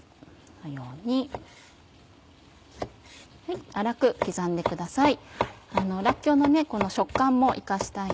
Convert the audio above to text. このように刻んでください。